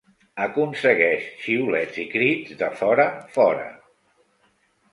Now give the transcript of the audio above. Aconsegueix xiulets i crits de forafora.